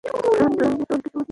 ফ্রন্টলাইনে সবাইকে শুভেচ্ছা।